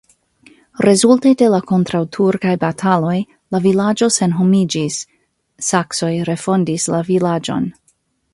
Rezulte de la kontraŭturkaj bataloj la vilaĝo senhomiĝis, saksoj refondis la vilaĝon.